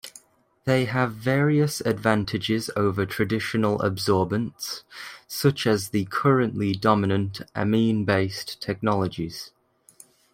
They have various advantages over traditional absorbents, such as the currently dominant amine-based technologies.